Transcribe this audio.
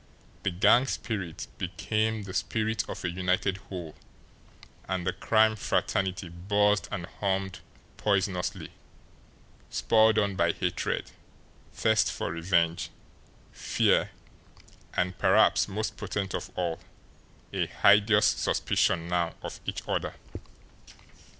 The gang spirit became the spirit of a united whole, and the crime fraternity buzzed and hummed poisonously, spurred on by hatred, thirst for revenge, fear, and, perhaps most potent of all, a hideous suspicion now of each other.